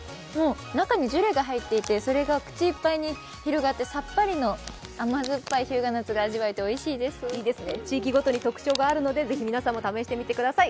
中にジュレが入っていてそれが口いっぱいに広がってさっぱりの甘酸っぱい日向夏が味わえて、地域ごとに特徴があるのでぜひ皆さんも試してみてください。